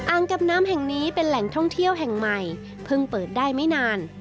กับน้ำแห่งนี้เป็นแหล่งท่องเที่ยวแห่งใหม่เพิ่งเปิดได้ไม่นาน